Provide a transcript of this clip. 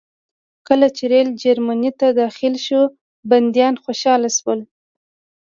کله چې ریل جرمني ته داخل شو بندیان خوشحاله شول